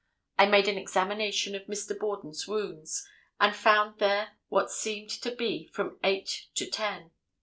I made an examination of Mr. Borden's wounds, and found there what seemed to be from eight to ten."